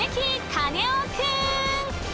カネオくん！